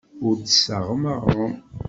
Ur d-tessaɣem aɣrum.